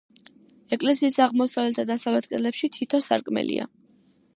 ეკლესიის აღმოსავლეთ და დასავლეთ კედლებში თითო სარკმელია.